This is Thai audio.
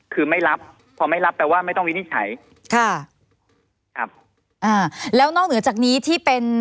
คือไม่รับพอไม่รับแปลว่าไม่ต้องวินิจฉัยค่ะครับอ่าแล้วนอกเหนือจากนี้ที่เป็น